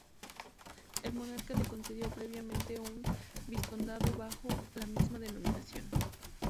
El monarca le concedió previamente un vizcondado bajo la misma denominación.